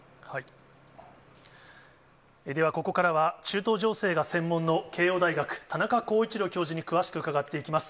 ではここからは、中東情勢が専門の慶応大学、田中浩一郎教授に詳しく伺っていきます。